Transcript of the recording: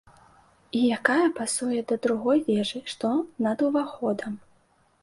І якая пасуе да другой вежы, што над уваходам.